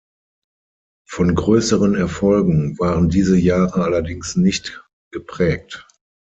Von größeren Erfolgen waren diese Jahre allerdings nicht geprägt.